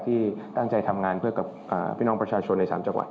ที่น่าจัยทำงานพลังกับพี่น้องประชาชนในสามจังหวัด